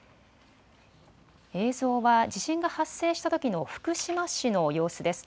映像は地震が発生したときの福島市の様子です。